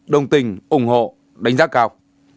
đồng tình ủng hộ đánh giá cao